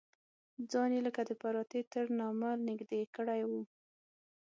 ځان یې لکه د پروتې تر نامه نږدې کړی و.